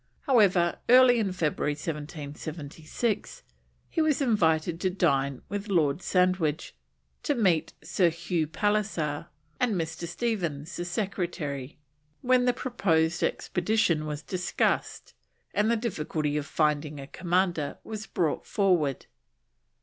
However, early in February 1776, he was invited to dine with Lord Sandwich, to meet Sir Hugh Pallisser and Mr. Stephens, the Secretary, when the proposed expedition was discussed and the difficulty of finding a commander was brought forward.